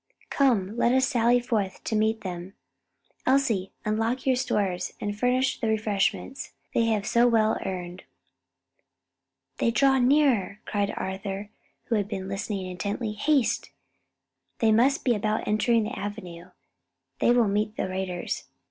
Come, let us sally forth to meet them. Elsie, unlock your stores and furnish the refreshments they have so well earned." "They draw nearer!" cried Arthur, who had been listening intently. "Haste! they must be about entering the avenue. They will meet the raiders.